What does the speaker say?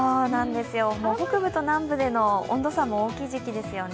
北部と南部での温度差も大きい時期ですよね。